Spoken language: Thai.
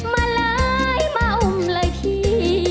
มาเลยมาอุ้มเลยพี่